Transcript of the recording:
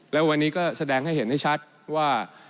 แล้ววันนี้ก็แสดงให้เห็นให้ชัดว่า